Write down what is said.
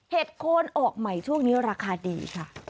โคนออกใหม่ช่วงนี้ราคาดีค่ะ